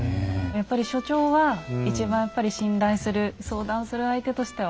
やっぱり所長は一番やっぱり信頼する相談する相手としては？